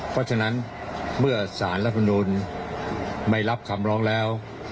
เพราะฉะนั้นเมื่อสารรัฐมนุนไม่รับคำร้องแล้ว